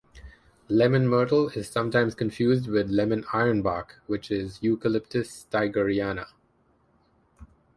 Lemon myrtle is sometimes confused with "lemon ironbark", which is "Eucalyptus staigeriana".